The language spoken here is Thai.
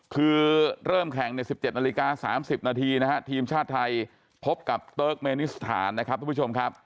คือเริ่มแข่งใน๑๗นาฬิกา๓๐นาทีนะฮะทีมชาติไทยพบกับเติร์กเมนิสถานนะครับทุกผู้ชมครับ